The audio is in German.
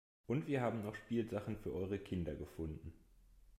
Und wir haben noch Spielsachen für eure Kinder gefunden.